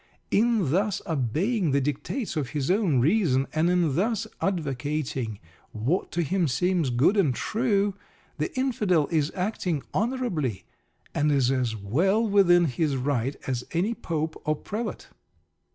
In thus obeying the dictates of his own reason, and in thus advocating what to him seems good and true, the Infidel is acting honourably, and is as well within his right as any Pope or Prelate.